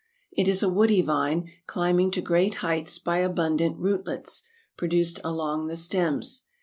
It is a woody vine, climbing to great heights by abundant rootlets, produced along the stems.